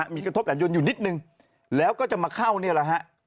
มีกระทบแหลมยวนอยู่นิดนึงแล้วจะมาเข้าอะไรนะฮะ